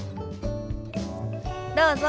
どうぞ。